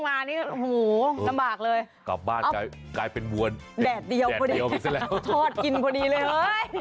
แดดเดียวโทรดกินพอดีเลย